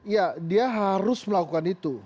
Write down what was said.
ya dia harus melakukan itu